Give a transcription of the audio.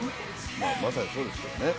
まさにそうですけどね。